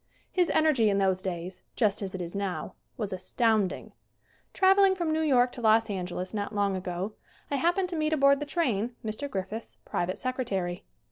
His energy in those days, just as it is now, was astounding. Traveling from New York to Los Angeles not long ago, I happened to meet aboard the train Mr. Griffith's private secretary.